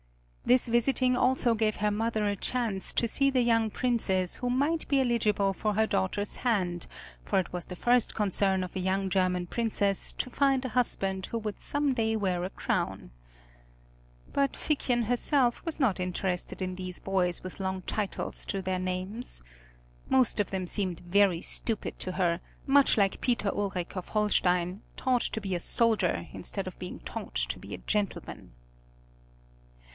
This visiting also gave her mother a chance to see the young Princes who might be eligible for her daughter's hand, for it was the first concern of a young German Princess to find a husband who would some day wear a crown. But Figchen herself was not interested in these boys with long titles to their names. Most of them seemed very stupid to her, much like Peter Ulric of Holstein, taught to be a soldier instead of being taught to be a gentleman.